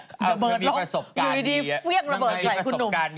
ใครมีใหญ่พยายามนะ